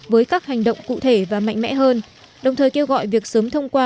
với các hành động cụ thể và mạnh mẽ hơn đồng thời kêu gọi việc sớm thông qua